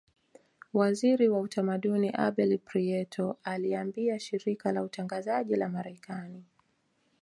Waziri wa utamaduni Abel Prieto aliiambia shirika la utangazaji la marekani